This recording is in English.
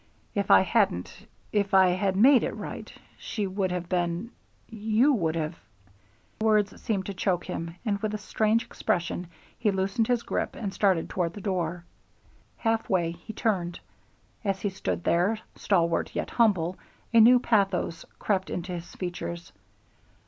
If I hadn't If I had made it right, she would have been you would have " The words seemed to choke him, and with a strange expression he loosened his grip and started toward the door. Halfway he turned. As he stood there, stalwart yet humble, a new pathos crept into his features.